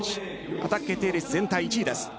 アタック決定率全体１位です。